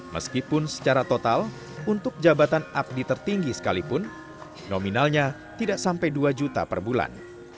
meskipun secara total untuk jabatan abdi tertinggi sekalipun nominalnya tidak sampai dua juta per bulan